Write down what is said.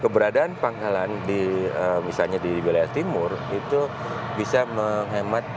keberadaan pangkalan di misalnya di wilayah timur itu bisa menghemat